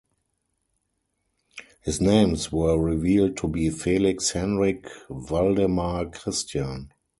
His names were revealed to be Felix Henrik Valdemar Christian.